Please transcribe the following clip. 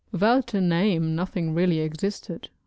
Without a name nothing really existed.